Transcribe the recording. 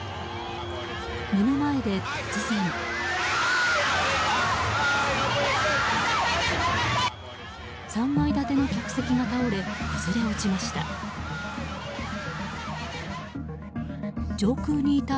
目の前で突然、３階建の客席が倒れ、崩れ落ちました。